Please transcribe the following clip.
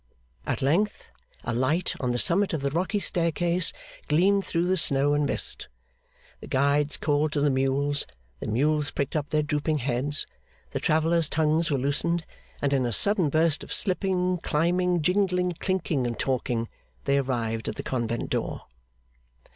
At length, a light on the summit of the rocky staircase gleamed through the snow and mist. The guides called to the mules, the mules pricked up their drooping heads, the travellers' tongues were loosened, and in a sudden burst of slipping, climbing, jingling, clinking, and talking, they arrived at the convent door.